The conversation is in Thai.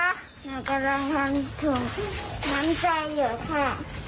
เรากำลังทำถุงน้ำจายเหลือค่ะ